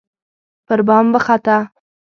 پربام وخته